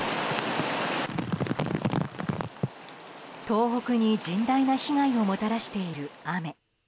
東北に甚大な被害をもたらしている雨。